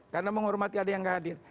karena menghormati ada yang nggak hadir